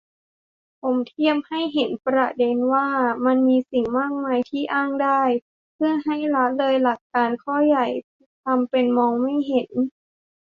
ผมเทียบให้เห็นประเด็นว่า มันมีสิ่งมากมายที่อ้างได้ เพื่อให้ละเลยหลักการข้อใหญ่ ทำเป็นมองไม่เห็น